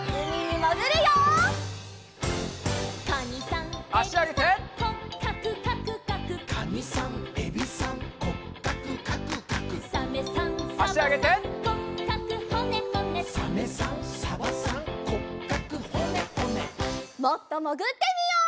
もっともぐってみよう。